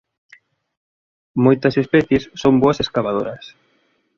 Moitas especies son boas escavadoras.